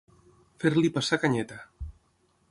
Fer-li passar canyeta.